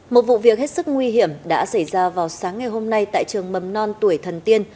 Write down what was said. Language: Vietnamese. một vụ việc hết sức nguy hiểm đã xảy ra vào sáng ngày hôm nay tại trường mầm non tuổi thần tiên